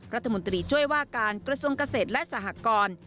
รัฐมนตรีช่วยว่าการกระทรวงเกษตรและสหกร